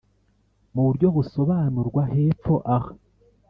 mu buryo busobanurwa hepfo aha.